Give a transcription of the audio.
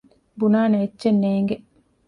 ބުނާނެ އެއްޗެއް ނޭނގެ